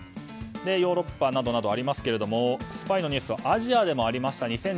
ヨーロッパなどなどありますがスパイのニュースはアジアでもありました。